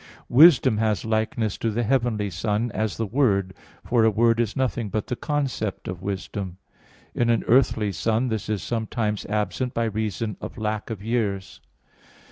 "Wisdom" has likeness to the heavenly Son, as the Word, for a word is nothing but the concept of wisdom. In an earthly son this is sometimes absent by reason of lack of years.